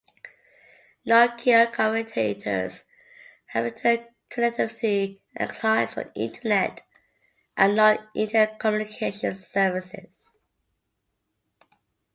Nokia Communicators have Internet connectivity and clients for Internet and non-Internet communication services.